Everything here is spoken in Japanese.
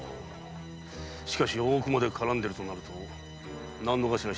しかし大奥まで絡んでるとなると納戸頭